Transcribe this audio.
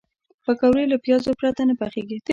پکورې له پیازو پرته نه پخېږي